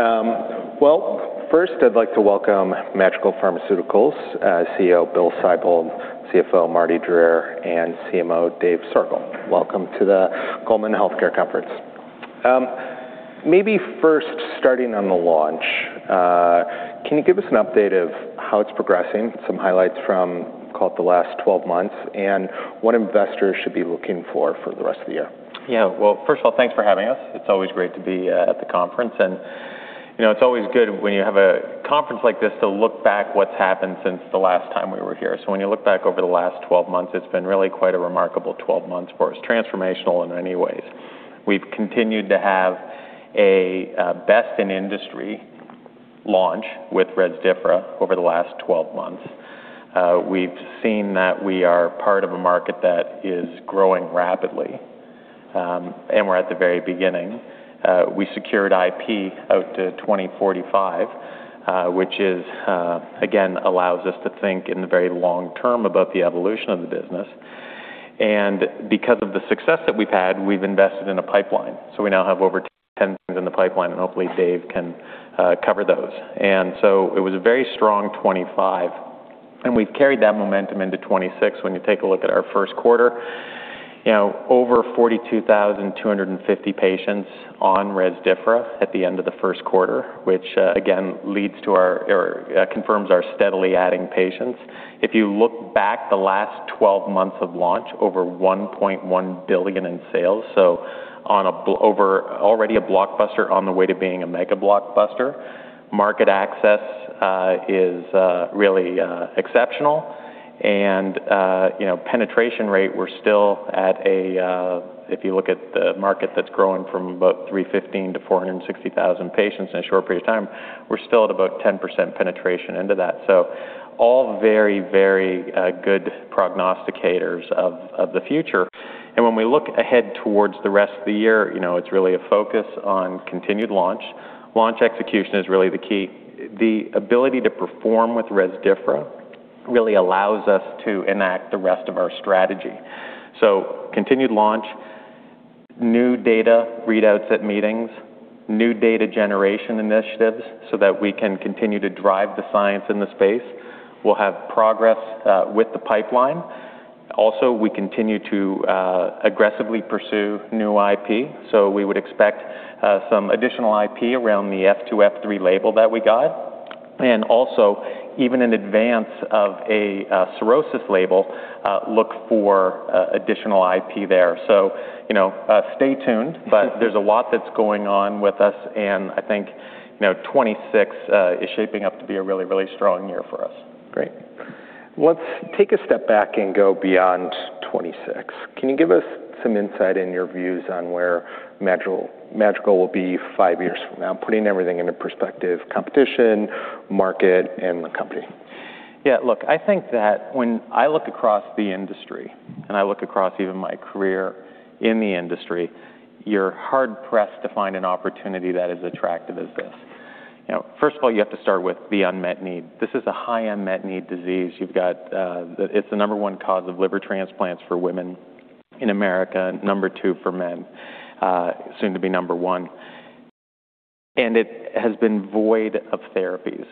Great. Well, first, I'd like to welcome Madrigal Pharmaceuticals CEO, Bill Sibold, CFO, Mardi Dier, and CMO, Dave Soergel. Welcome to the Goldman Sachs Healthcare Conference. Maybe first, starting on the launch, can you give us an update of how it's progressing, some highlights from, call it, the last 12 months, and what investors should be looking for for the rest of the year? Well, first of all, thanks for having us. It's always great to be at the conference. It's always good when you have a conference like this to look back what's happened since the last time we were here. When you look back over the last 12 months, it's been really quite a remarkable 12 months for us, transformational in many ways. We've continued to have a best-in-industry launch with Rezdiffra over the last 12 months. We've seen that we are part of a market that is growing rapidly, and we're at the very beginning. We secured IP out to 2045, which again allows us to think in the very long term about the evolution of the business. Because of the success that we've had, we've invested in a pipeline. We now have over 10 things in the pipeline, and hopefully Dave can cover those. It was a very strong 2025, and we've carried that momentum into 2026 when you take a look at our Q1. Over 42,250 patients on Rezdiffra at the end of the Q1, which again confirms our steadily adding patients. If you look back the last 12 months of launch, over $1.1 billion in sales, already a blockbuster on the way to being a mega-blockbuster. Market access is really exceptional. Penetration rate, if you look at the market that's grown from about 315,000 to 460,000 patients in a short period of time, we're still at about 10% penetration into that. All very good prognosticators of the future. When we look ahead towards the rest of the year, it's really a focus on continued launch. Launch execution is really the key. The ability to perform with Rezdiffra really allows us to enact the rest of our strategy. Continued launch, new data readouts at meetings, new data generation initiatives that we can continue to drive the science in the space. We'll have progress with the pipeline. Also, we continue to aggressively pursue new IP, we would expect some additional IP around the F2, F3 label that we got. Also, even in advance of a cirrhosis label, look for additional IP there. Stay tuned, there's a lot that's going on with us, and I think 2026 is shaping up to be a really strong year for us. Great. Let's take a step back and go beyond 2026. Can you give us some insight in your views on where Madrigal Pharmaceuticals will be five years from now, putting everything into perspective, competition, market, and the company? Yeah, look, I think that when I look across the industry, and I look across even my career in the industry, you're hard-pressed to find an opportunity that is attractive as this. First of all, you have to start with the unmet need. This is a high unmet need disease. It's the number 1 cause of liver transplants for women in America, number 2 for men, soon to be number one. It has been void of therapies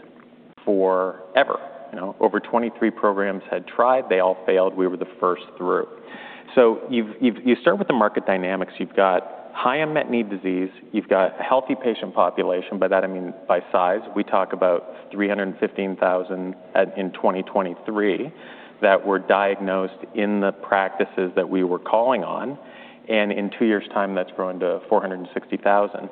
forever. Over 23 programs had tried. They all failed. We were the first through. You start with the market dynamics. You've got high unmet need disease. You've got healthy patient population. By that I mean by size. We talk about 315,000 in 2023 that were diagnosed in the practices that we were calling on, and in two years' time, that's grown to 460,000.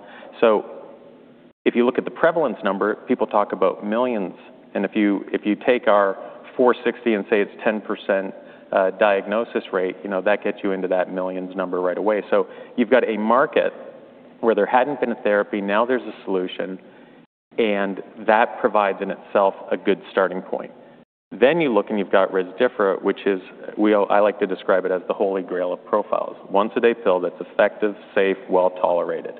If you look at the prevalence number, people talk about millions. If you take our 460 and say it's 10% diagnosis rate, that gets you into that millions number right away. You've got a market where there hadn't been a therapy. Now there's a solution, and that provides in itself a good starting point. You look and you've got Rezdiffra. I like to describe it as the holy grail of profiles. Once-a-day pill that's effective, safe, well-tolerated.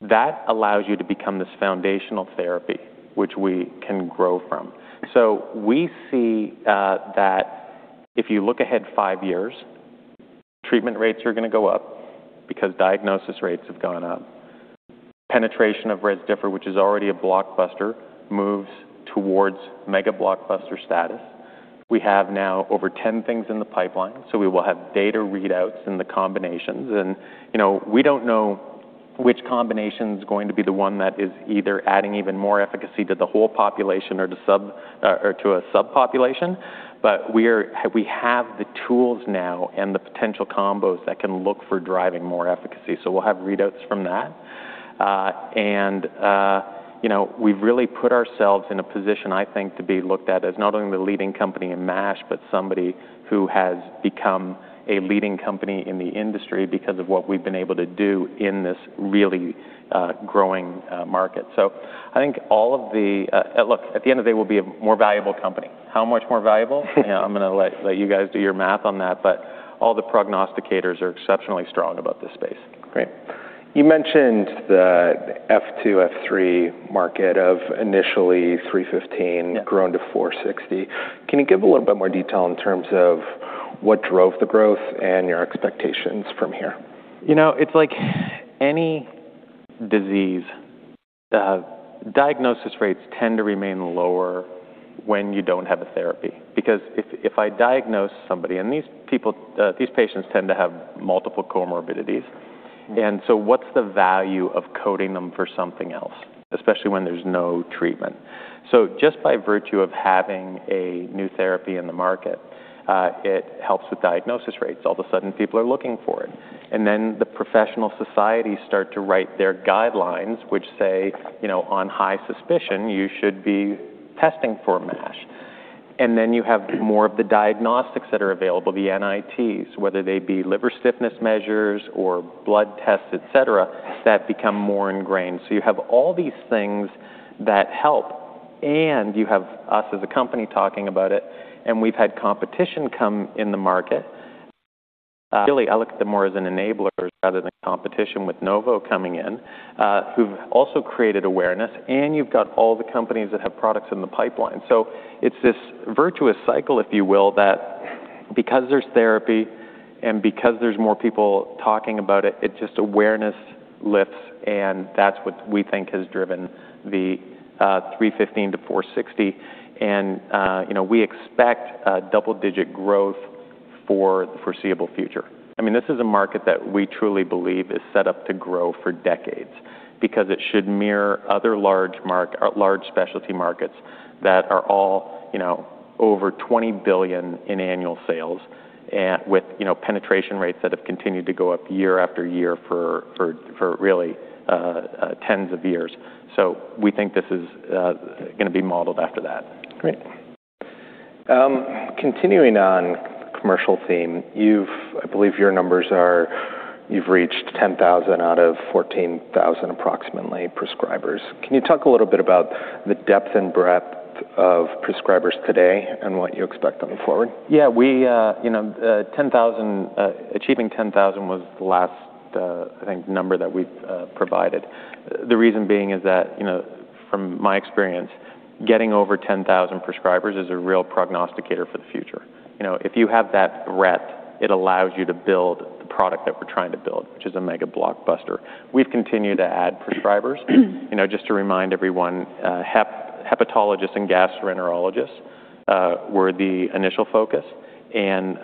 That allows you to become this foundational therapy, which we can grow from. We see that if you look ahead five years, treatment rates are going to go up because diagnosis rates have gone up. Penetration of Rezdiffra, which is already a blockbuster, moves towards mega-blockbuster status. We have now over 10 things in the pipeline, so we will have data readouts in the combinations. We don't know which combination's going to be the one that is either adding even more efficacy to the whole population or to a subpopulation, but we have the tools now and the potential combos that can look for driving more efficacy. We'll have readouts from that. We've really put ourselves in a position, I think, to be looked at as not only the leading company in MASH, but somebody who has become a leading company in the industry because of what we've been able to do in this really growing market. Look, at the end of the day, we'll be a more valuable company. How much more valuable? I'm going to let you guys do your math on that, but all the prognosticators are exceptionally strong about this space. Great. You mentioned the F2, F3 market of initially 315 grown to 460. Can you give a little bit more detail in terms of what drove the growth and your expectations from here? It's like any disease, diagnosis rates tend to remain lower when you don't have a therapy. If I diagnose somebody, and these patients tend to have multiple comorbidities. What's the value of coding them for something else, especially when there's no treatment? Just by virtue of having a new therapy in the market, it helps with diagnosis rates. All of a sudden, people are looking for it. The professional societies start to write their guidelines, which say, on high suspicion, you should be testing for MASH. Then you have more of the diagnostics that are available, the NITs, whether they be liver stiffness measures or blood tests, et cetera, that become more ingrained. You have all these things that help, and you have us as a company talking about it, and we've had competition come in the market. Really, I look at them more as an enabler rather than competition with Novo coming in, who've also created awareness, and you've got all the companies that have products in the pipeline. It's this virtuous cycle, if you will, that because there's therapy and because there's more people talking about it's just awareness lifts, and that's what we think has driven the 315 to 460. We expect double-digit growth for the foreseeable future. This is a market that we truly believe is set up to grow for decades because it should mirror other large specialty markets that are all over $20 billion in annual sales and with penetration rates that have continued to go up year after year for really tens of years. We think this is going to be modeled after that. Great. Continuing on the commercial theme, I believe your numbers are, you've reached 10,000 out of 14,000 approximately prescribers. Can you talk a little bit about the depth and breadth of prescribers today and what you expect going forward? Yeah. Achieving 10,000 was the last, I think, number that we provided. The reason being is that from my experience, getting over 10,000 prescribers is a real prognosticator for the future. If you have that breadth, it allows you to build the product that we're trying to build, which is a mega blockbuster. We've continued to add prescribers. Just to remind everyone, hepatologists and gastroenterologists were the initial focus. In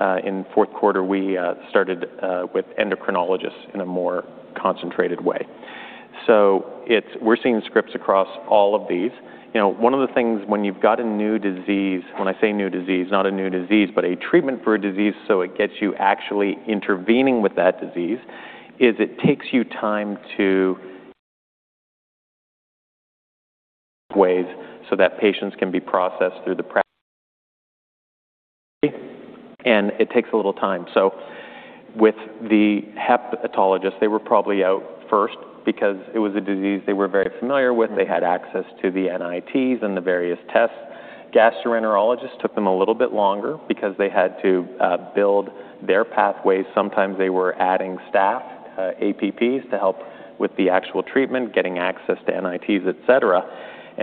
Q4, we started with endocrinologists in a more concentrated way. We're seeing scripts across all of these. One of the things when you've got a new disease, when I say new disease, not a new disease, but a treatment for a disease, so it gets you actually intervening with that disease, is it takes you time to ways so that patients can be processed through the practice, and it takes a little time. With the hepatologists, they were probably out first because it was a disease they were very familiar with. They had access to the NITs and the various tests. Gastroenterologists took them a little bit longer because they had to build their pathways. Sometimes they were adding staff, APPs, to help with the actual treatment, getting access to NITs, et cetera.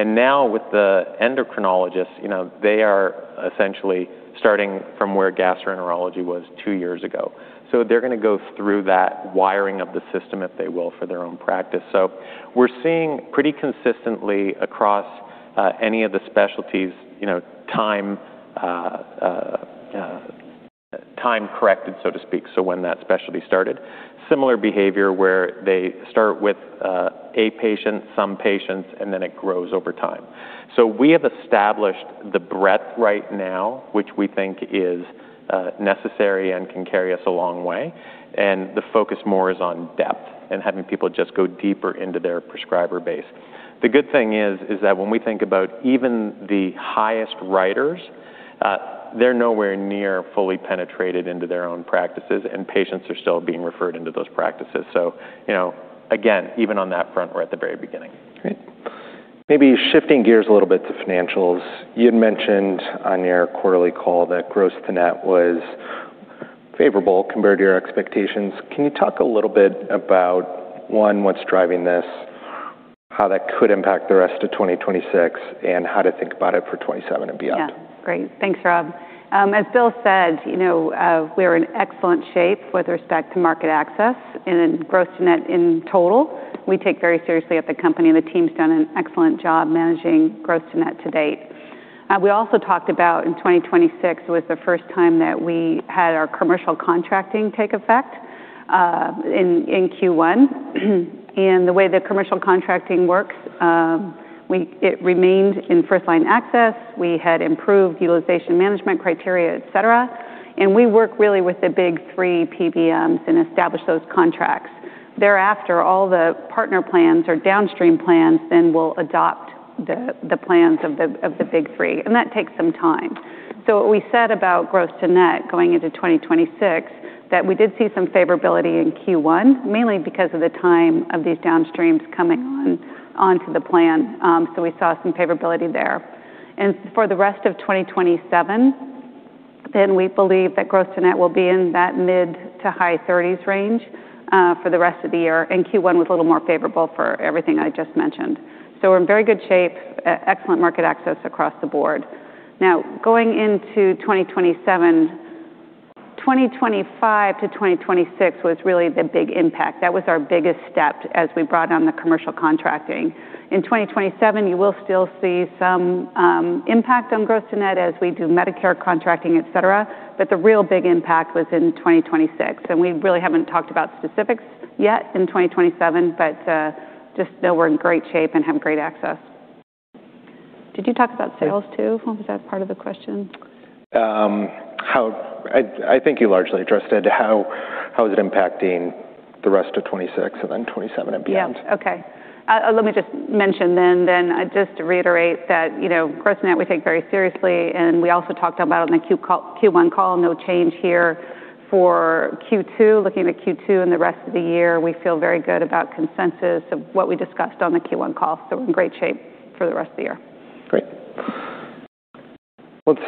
Now with the endocrinologists, they are essentially starting from where gastroenterology was two years ago. They're going to go through that wiring of the system, if they will, for their own practice. We're seeing pretty consistently across any of the specialties, time-corrected, so to speak, so when that specialty started, similar behavior where they start with a patient, some patients, and then it grows over time. We have established the breadth right now, which we think is necessary and can carry us a long way, and the focus more is on depth and having people just go deeper into their prescriber base. The good thing is that when we think about even the highest writers, they're nowhere near fully penetrated into their own practices, and patients are still being referred into those practices. Again, even on that front, we're at the very beginning. Great. Maybe shifting gears a little bit to financials. You had mentioned on your quarterly call that gross to net was favorable compared to your expectations. Can you talk a little bit about, one, what's driving this, how that could impact the rest of 2026, and how to think about it for 2027 and beyond? Great. Thanks, Rob. As Bill said, we're in excellent shape with respect to market access and gross to net in total. We take very seriously at the company, and the team's done an excellent job managing gross to net to date. We also talked about in 2026 was the first time that we had our commercial contracting take effect in Q1. The way the commercial contracting works, it remained in first-line access. We had improved utilization management criteria, et cetera, and we work really with the big three PBMs and establish those contracts. Thereafter, all the partner plans or downstream plans then will adopt the plans of the big three, and that takes some time. What we said about gross to net going into 2026, that we did see some favorability in Q1, mainly because of the time of these downstreams coming onto the plan. We saw some favorability there. For the rest of 2027, then we believe that gross to net will be in that mid to high 30s range for the rest of the year, and Q1 was a little more favorable for everything I just mentioned. We're in very good shape, excellent market access across the board. Now, going into 2027, 2025 to 2026 was really the big impact. That was our biggest step as we brought on the commercial contracting. In 2027, you will still see some impact on gross to net as we do Medicare contracting, et cetera, but the real big impact was in 2026. We really haven't talked about specifics yet in 2027, but just know we're in great shape and have great access. Did you talk about sales, too? Was that part of the question? I think you largely addressed it. How is it impacting the rest of 2026 and then 2027 and beyond? Okay. Let me just mention then, just to reiterate that gross to net we take very seriously, and we also talked about it in the Q1 call. No change here for Q2. Looking to Q2 and the rest of the year, we feel very good about consensus of what we discussed on the Q1 call. We're in great shape for the rest of the year. Great. Let's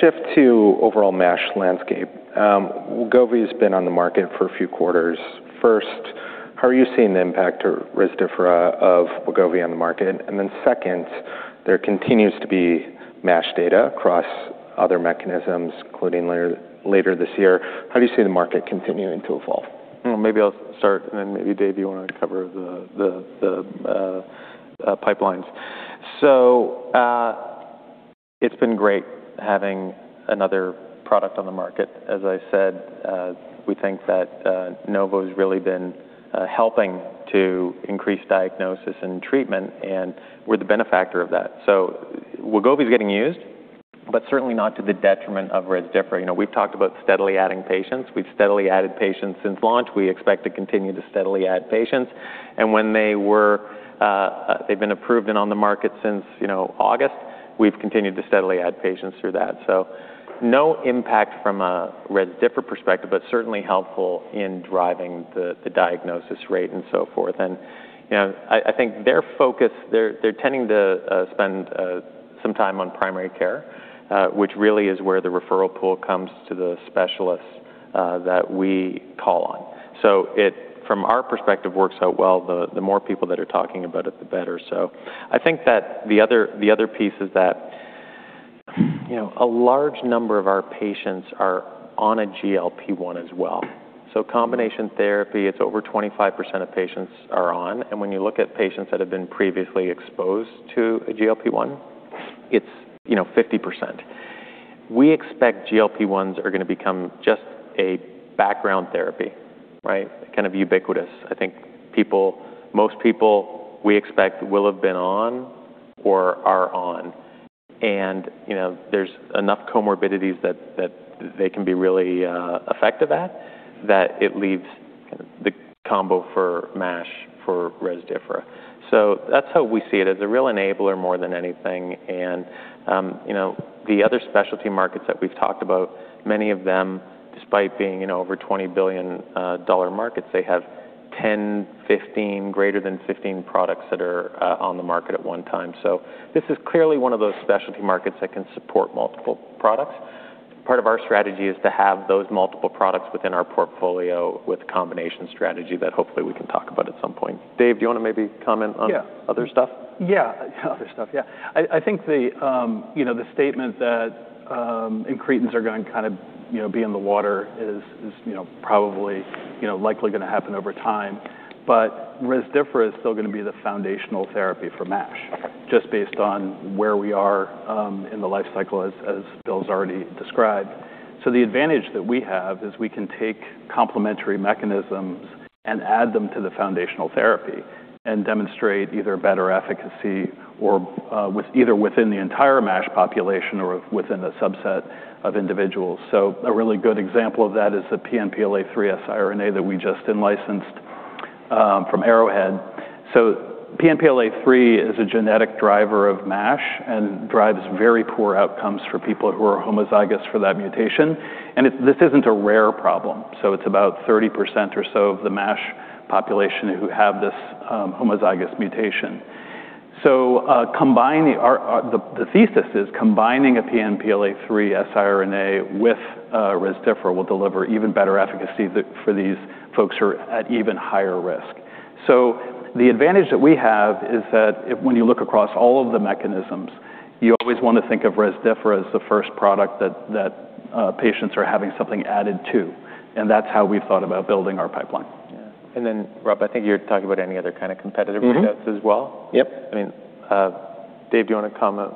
shift to overall MASH landscape. Wegovy's been on the market for a few quarters. First, how are you seeing the impact of Rezdiffra of Wegovy on the market? Second, there continues to be MASH data across other mechanisms, including later this year. How do you see the market continuing to evolve? Maybe I'll start, then maybe Dave, you want to cover the pipelines. It's been great having another product on the market. As I said, we think that Novo's really been helping to increase diagnosis and treatment, and we're the benefactor of that. Wegovy's getting used, but certainly not to the detriment of Rezdiffra. We've talked about steadily adding patients. We've steadily added patients since launch. We expect to continue to steadily add patients. When they've been approved and on the market since August, we've continued to steadily add patients through that. No impact from a Rezdiffra perspective, but certainly helpful in driving the diagnosis rate and so forth. I think their focus, they're tending to spend some time on primary care, which really is where the referral pool comes to the specialists that we call on. It, from our perspective, works out well. The more people that are talking about it, the better. I think that the other piece is that a large number of our patients are on a GLP-1 as well. Combination therapy, it's over 25% of patients are on. When you look at patients that have been previously exposed to a GLP-1, it's 50%. We expect GLP-1s are going to become just a background therapy, right? Kind of ubiquitous. I think most people we expect will have been on or are on. There's enough comorbidities that they can be really effective at, that it leaves the combo for MASH for Rezdiffra. That's how we see it, as a real enabler more than anything. The other specialty markets that we've talked about, many of them, despite being over $20 billion markets, they have 10, 15, greater than 15 products that are on the market at one time. This is clearly one of those specialty markets that can support multiple products. Part of our strategy is to have those multiple products within our portfolio with combination strategy that hopefully we can talk about at some point. Dave, do you want to maybe comment on other stuff? Yeah. Other stuff, yeah. I think the statement that incretins are going to be in the water is probably likely going to happen over time. Rezdiffra is still going to be the foundational therapy for MASH, just based on where we are in the life cycle, as Bill's already described. The advantage that we have is we can take complementary mechanisms and add them to the foundational therapy and demonstrate either better efficacy either within the entire MASH population or within a subset of individuals. A really good example of that is the PNPLA3 siRNA that we just in-licensed from Arrowhead. PNPLA3 is a genetic driver of MASH and drives very poor outcomes for people who are homozygous for that mutation. This isn't a rare problem. It's about 30% or so of the MASH population who have this homozygous mutation. The thesis is combining a PNPLA3 siRNA with Rezdiffra will deliver even better efficacy for these folks who are at even higher risk. The advantage that we have is that when you look across all of the mechanisms, you always want to think of Rezdiffra as the first product that patients are having something added to, and that's how we've thought about building our pipeline. Rob, I think you were talking about any other kind of competitive threats as well? Yep. Dave, do you want to comment?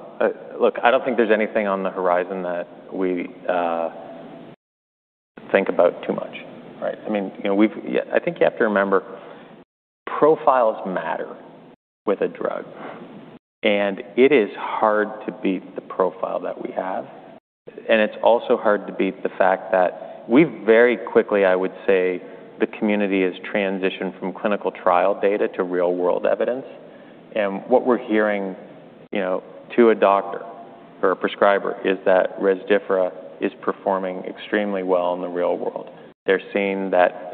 Look, I don't think there's anything on the horizon that we think about too much, right? I think you have to remember, profiles matter with a drug, and it is hard to beat the profile that we have, and it's also hard to beat the fact that we very quickly, I would say, the community has transitioned from clinical trial data to real-world evidence. What we're hearing to a doctor or a prescriber is that Rezdiffra is performing extremely well in the real world. They're seeing that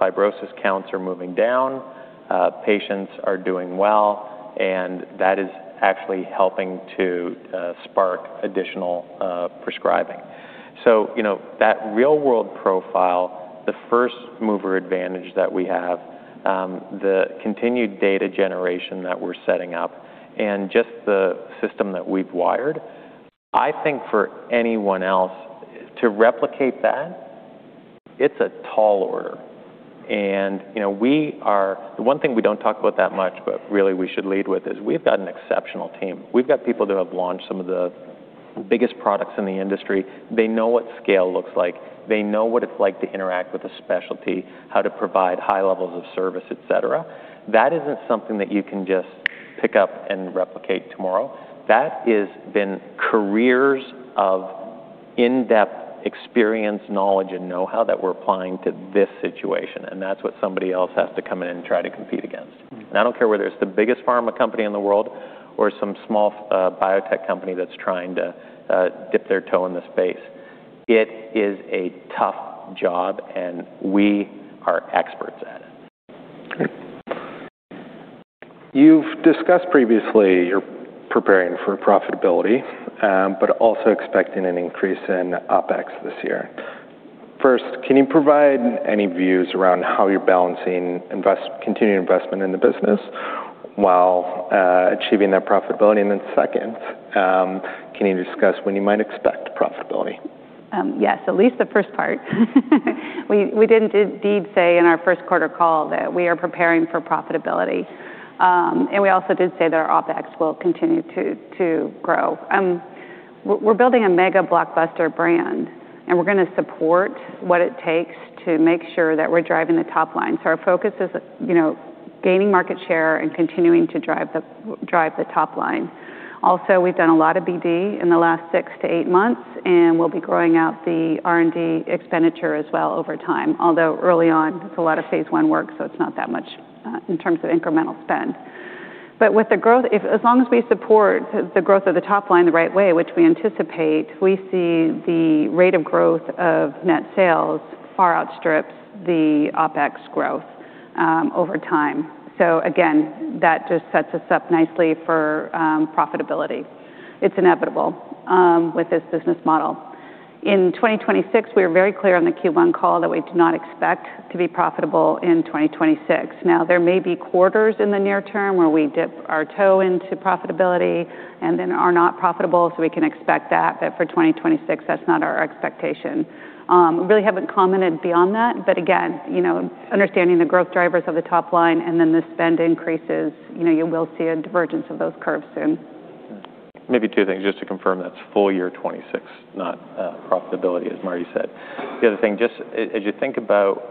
fibrosis counts are moving down, patients are doing well, that is actually helping to spark additional prescribing. That real-world profile, the first-mover advantage that we have, the continued data generation that we're setting up, and just the system that we've wired, I think for anyone else to replicate that. It's a tall order. The one thing we don't talk about that much, but really we should lead with is we've got an exceptional team. We've got people that have launched some of the biggest products in the industry. They know what scale looks like. They know what it's like to interact with a specialty, how to provide high levels of service, et cetera. That isn't something that you can just pick up and replicate tomorrow. That has been careers of in-depth experience, knowledge, and knowhow that we're applying to this situation. That's what somebody else has to come in and try to compete against. I don't care whether it's the biggest pharma company in the world or some small biotech company that's trying to dip their toe in the space. It is a tough job, and we are experts at it. You've discussed previously you're preparing for profitability, but also expecting an increase in OpEx this year. First, can you provide any views around how you're balancing continuing investment in the business while achieving that profitability? Second, can you discuss when you might expect profitability? Yes, at least the first part. We did indeed say in our Q1 call that we are preparing for profitability. We also did say that our OpEx will continue to grow. We're building a mega blockbuster brand, and we're going to support what it takes to make sure that we're driving the top line. Our focus is gaining market share and continuing to drive the top line. Also, we've done a lot of BD in the last six to eight months, and we'll be growing out the R&D expenditure as well over time, although early on it's a lot of phase I work, so it's not that much in terms of incremental spend. As long as we support the growth of the top line the right way, which we anticipate, we see the rate of growth of net sales far outstrips the OpEx growth over time. Again, that just sets us up nicely for profitability. It's inevitable with this business model. In 2026, we are very clear on the Q1 call that we do not expect to be profitable in 2026. Now, there may be quarters in the near term where we dip our toe into profitability and then are not profitable, so we can expect that. We really haven't commented beyond that, but again, understanding the growth drivers of the top line and then the spend increases, you will see a divergence of those curves soon. Maybe two things just to confirm that's full year 2026, not profitability, as Mardi said. The other thing, just as you think about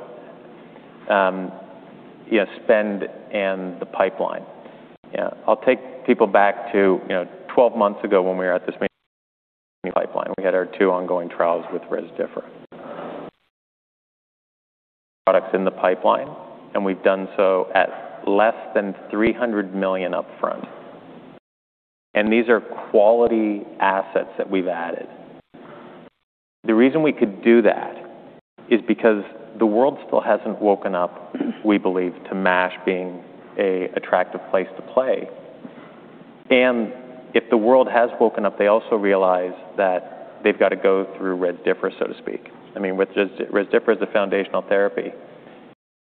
spend and the pipeline. I'll take people back to 12 months ago when we were at this pipeline. We had our two ongoing trials with Rezdiffra. Products in the pipeline, and we've done so at less than $300 million upfront. These are quality assets that we've added. The reason we could do that is because the world still hasn't woken up, we believe, to MASH being an attractive place to play. If the world has woken up, they also realize that they've got to go through Rezdiffra, so to speak. I mean, Rezdiffra is a foundational therapy.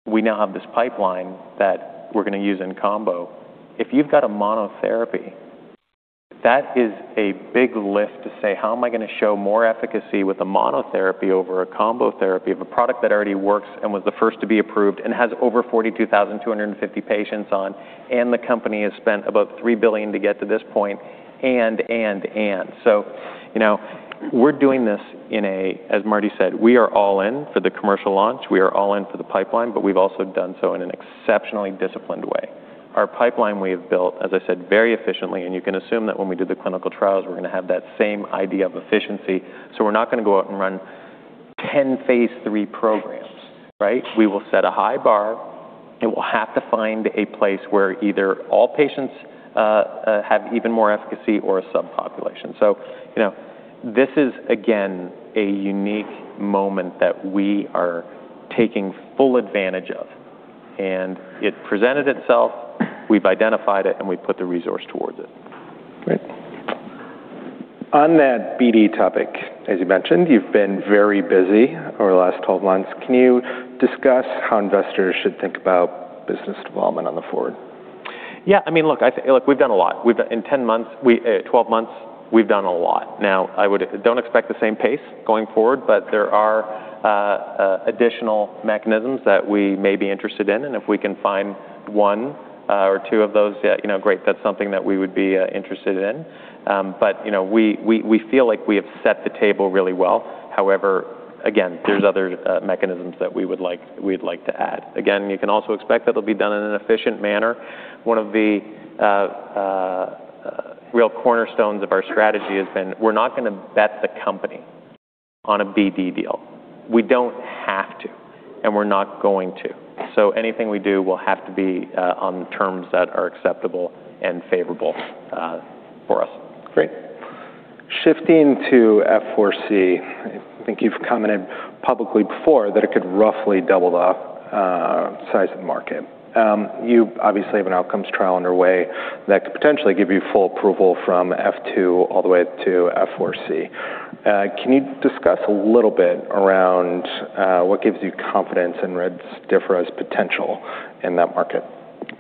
We now have this pipeline that we're going to use in combo. If you've got a monotherapy, that is a big lift to say, how am I going to show more efficacy with a monotherapy over a combo therapy of a product that already works and was the first to be approved and has over 42,250 patients on, and the company has spent about $3 billion to get to this point. We're doing this in, as Mardi said, we are all in for the commercial launch. We are all in for the pipeline, but we've also done so in an exceptionally disciplined way. Our pipeline we have built, as I said, very efficiently, and you can assume that when we do the clinical trials, we're going to have that same idea of efficiency. We're not going to go out and run 10 phase III programs, right? We will set a high bar, we'll have to find a place where either all patients have even more efficacy or a subpopulation. This is, again, a unique moment that we are taking full advantage of. It presented itself, we've identified it, and we've put the resource towards it. Great. On that BD topic, as you mentioned, you've been very busy over the last 12 months. Can you discuss how investors should think about business development on the forward? Yeah, I mean, look, we've done a lot. In 12 months, we've done a lot. Now, don't expect the same pace going forward, there are additional mechanisms that we may be interested in, and if we can find one or two of those, yeah, great. That's something that we would be interested in. We feel like we have set the table really well. However, again, there's other mechanisms that we'd like to add. You can also expect that they'll be done in an efficient manner. One of the real cornerstones of our strategy has been we're not going to bet the company on a BD deal. We don't have to, and we're not going to. Anything we do will have to be on terms that are acceptable and favorable for us. Great. Shifting to F4-C, I think you've commented publicly before that it could roughly double the size of the market. You obviously have an outcomes trial underway that could potentially give you full approval from F2 all the way to F4-C. Can you discuss a little bit around what gives you confidence in Rezdiffra's potential in that market?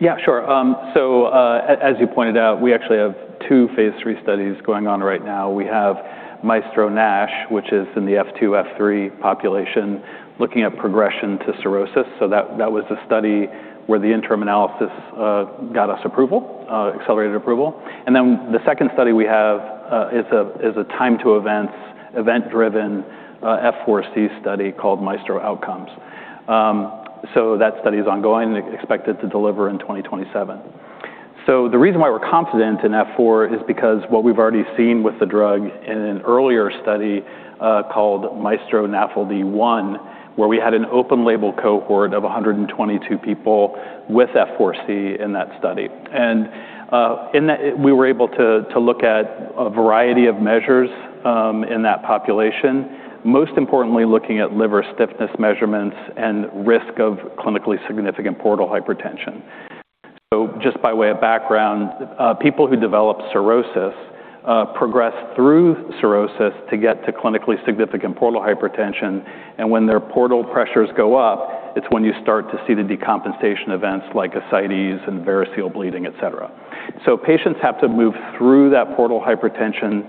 Yeah, sure. As you pointed out, we actually have two phase III studies going on right now. We have MAESTRO-NASH, which is in the F2, F3 population, looking at progression to cirrhosis. That was a study where the interim analysis got us approval, accelerated approval. The second study we have is a time to event-driven F4-C study called MAESTRO-NASH Outcomes. That study is ongoing, expected to deliver in 2027. The reason why we're confident in F4 is because what we've already seen with the drug in an earlier study called MAESTRO-NAFLD-1, where we had an open label cohort of 122 people with F4-C in that study. In that, we were able to look at a variety of measures in that population, most importantly, looking at liver stiffness measurements and risk of clinically significant portal hypertension. Just by way of background, people who develop cirrhosis progress through cirrhosis to get to clinically significant portal hypertension. When their portal pressures go up, it is when you start to see the decompensation events like ascites and variceal bleeding, et cetera. Patients have to move through that portal hypertension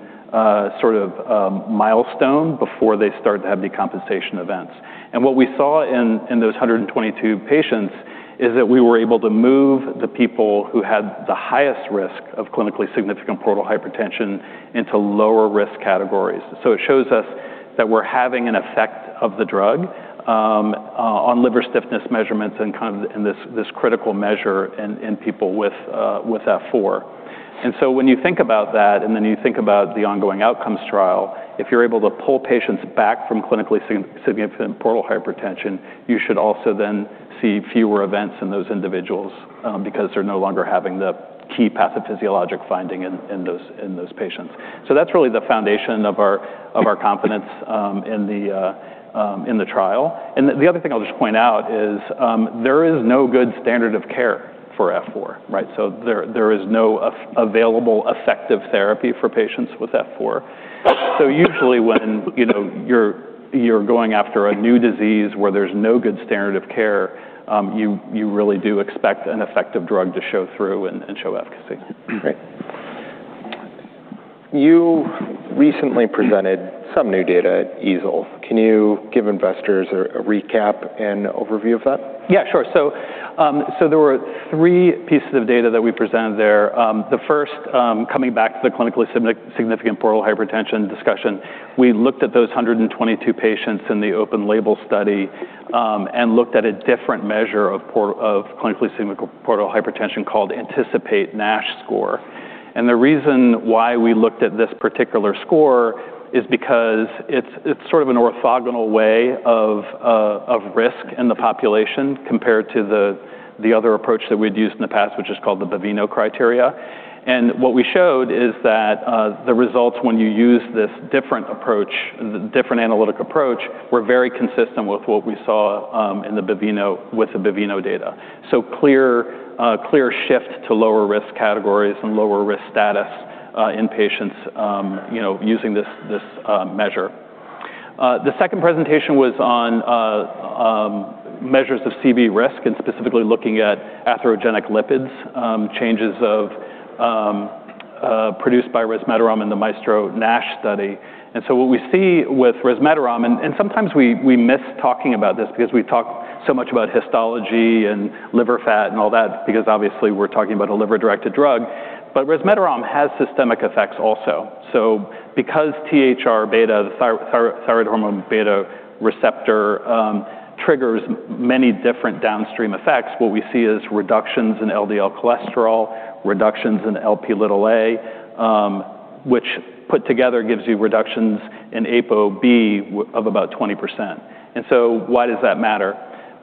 sort of milestone before they start to have decompensation events. What we saw in those 122 patients is that we were able to move the people who had the highest risk of clinically significant portal hypertension into lower risk categories. It shows us that we are having an effect of the drug on liver stiffness measurements and kind of in this critical measure in people with F4. When you think about that, and then you think about the ongoing outcomes trial, if you are able to pull patients back from clinically significant portal hypertension, you should also then see fewer events in those individuals because they are no longer having the key pathophysiologic finding in those patients. That is really the foundation of our confidence in the trial. The other thing I will just point out is there is no good standard of care for F4, right? There is no available effective therapy for patients with F4. Usually when you are going after a new disease where there is no good standard of care, you really do expect an effective drug to show through and show efficacy. You recently presented some new data at EASL. Can you give investors a recap and overview of that? Yeah, sure. There were three pieces of data that we presented there. The first coming back to the clinically significant portal hypertension discussion. We looked at those 122 patients in the open label study and looked at a different measure of clinically significant portal hypertension called ANTICIPATE-NASH score. The reason why we looked at this particular score is because it is sort of an orthogonal way of risk in the population compared to the other approach that we had used in the past, which is called the Baveno criteria. What we showed is that the results when you use this different approach, different analytic approach, were very consistent with what we saw with the Baveno data. Clear shift to lower risk categories and lower risk status in patients using this measure. The second presentation was on measures of CV risk and specifically looking at atherogenic lipids changes produced by resmetirom in the MAESTRO-NASH study. What we see with resmetirom, and sometimes we miss talking about this because we talk so much about histology and liver fat and all that, because obviously we're talking about a liver-directed drug, but resmetirom has systemic effects also. Because THR-β, the thyroid hormone beta receptor triggers many different downstream effects, what we see is reductions in LDL cholesterol, reductions in Lp(a), which put together gives you reductions in ApoB of about 20%. Why does that matter?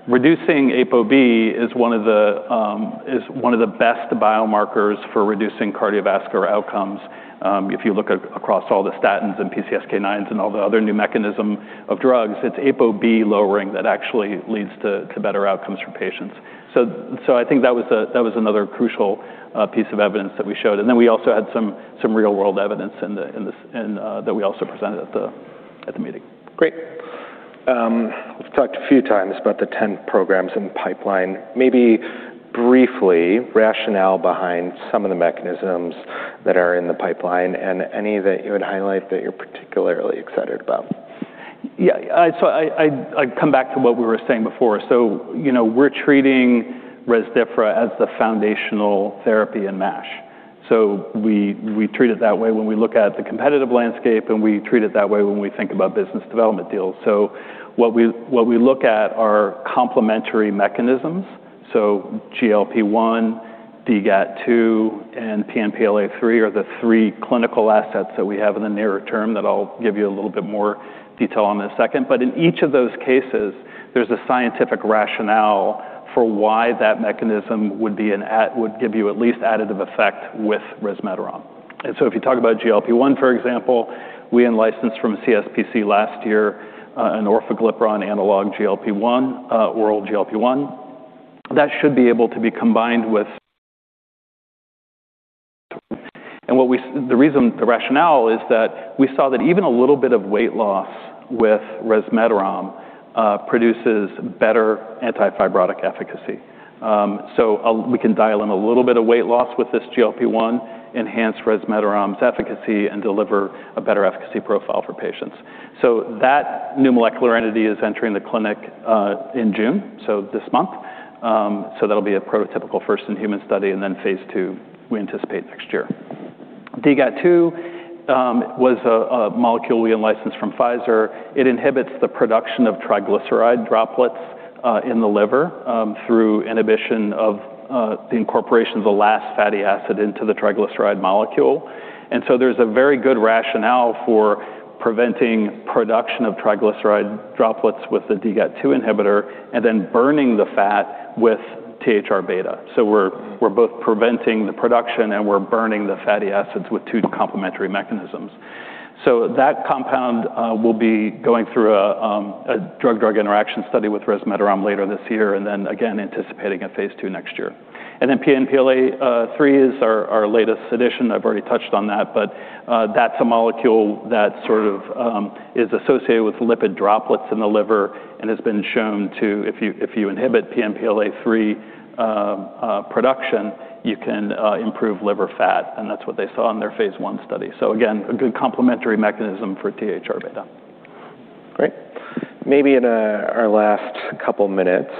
Reducing ApoB is one of the best biomarkers for reducing cardiovascular outcomes. If you look across all the statins and PCSK9s and all the other new mechanism of drugs, it's ApoB lowering that actually leads to better outcomes for patients. I think that was another crucial piece of evidence that we showed. We also had some real-world evidence that we also presented at the meeting. Great. We've talked a few times about the 10 programs in the pipeline. Maybe briefly, rationale behind some of the mechanisms that are in the pipeline and any that you would highlight that you're particularly excited about. Yeah. I'd come back to what we were saying before. We're treating Rezdiffra as the foundational therapy in MASH. We treat it that way when we look at the competitive landscape, and we treat it that way when we think about business development deals. What we look at are complementary mechanisms. GLP-1, DGAT2, and PNPLA3 are the three clinical assets that we have in the nearer term that I'll give you a little bit more detail on in a second. But in each of those cases, there's a scientific rationale for why that mechanism would give you at least additive effect with resmetirom. If you talk about GLP-1, for example, we in-licensed from CSPC last year an orforglipron analog GLP-1, oral GLP-1. That should be able to be combined with. The rationale is that we saw that even a little bit of weight loss with resmetirom produces better anti-fibrotic efficacy. We can dial in a little bit of weight loss with this GLP-1, enhance resmetirom's efficacy, and deliver a better efficacy profile for patients. That new molecular entity is entering the clinic in June, this month. That'll be a prototypical first-in-human study, and then phase II, we anticipate next year. DGAT2 was a molecule we in-licensed from Pfizer. It inhibits the production of triglyceride droplets in the liver through inhibition of the incorporation of the last fatty acid into the triglyceride molecule. There's a very good rationale for preventing production of triglyceride droplets with the DGAT2 inhibitor and then burning the fat with THR-β. We're both preventing the production, and we're burning the fatty acids with two complementary mechanisms. That compound will be going through a drug-drug interaction study with resmetirom later this year, and then again anticipating a phase II next year. PNPLA3 is our latest addition. I've already touched on that, but that's a molecule that sort of is associated with lipid droplets in the liver and has been shown to, if you inhibit PNPLA3 production, you can improve liver fat, and that's what they saw in their phase I study. Again, a good complementary mechanism for THR-β. Great. Maybe in our last couple minutes,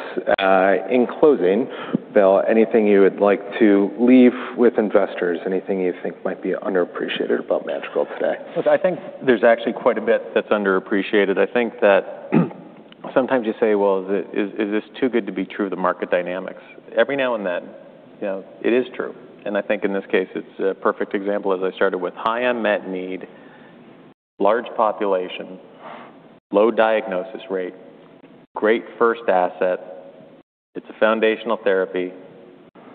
in closing, Bill, anything you would like to leave with investors? Anything you think might be underappreciated about Madrigal today? Look, I think there's actually quite a bit that's underappreciated. I think that sometimes you say, "Well, is this too good to be true, the market dynamics?" Every now and then, it is true, and I think in this case, it's a perfect example, as I started with high unmet need, large population, low diagnosis rate, great first asset. It's a foundational therapy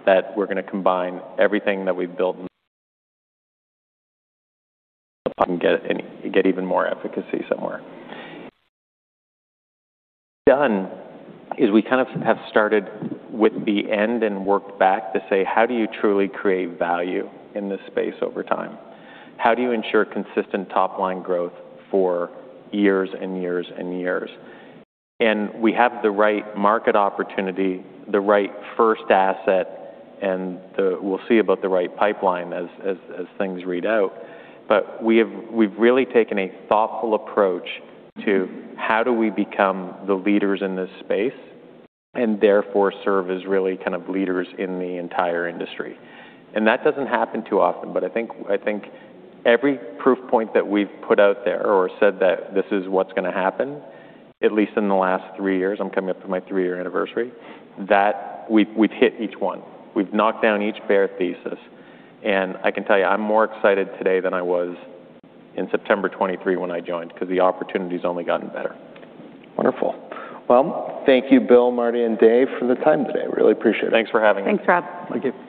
that we're going to combine everything that we've built and get even more efficacy somewhere. Done is we kind of have started with the end and worked back to say, how do you truly create value in this space over time? How do you ensure consistent top-line growth for years and years and years? We have the right market opportunity, the right first asset, and we'll see about the right pipeline as things read out. We've really taken a thoughtful approach to how do we become the leaders in this space and therefore serve as really kind of leaders in the entire industry. That doesn't happen too often, but I think every proof point that we've put out there or said that this is what's going to happen, at least in the last three years, I'm coming up to my three-year anniversary, that we've hit each one. We've knocked down each bear thesis, and I can tell you, I'm more excited today than I was in September 2023 when I joined because the opportunity's only gotten better. Wonderful. Well, thank you, Bill, Mardi, and Dave, for the time today. Really appreciate it. Thanks for having me. Thanks, Rob. Thank you.